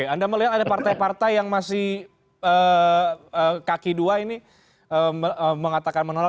anda melihat ada partai partai yang masih kaki dua ini mengatakan menolak